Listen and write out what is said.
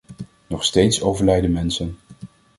Nog steeds overlijden mensen.